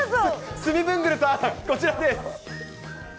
スミブングルさん、こちらです。